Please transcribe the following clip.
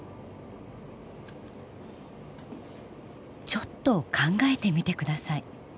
ちょっと考えてみて下さい。